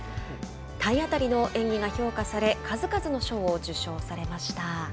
体当たりの演技が評価され数々の賞を受賞されました。